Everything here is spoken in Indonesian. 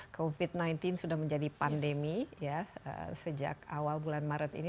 covid sembilan belas sudah menjadi pandemi ya sejak awal bulan maret ini